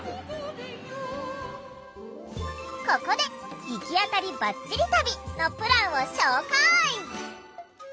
ここで「行き当たりバッチリ旅」のプランを紹介！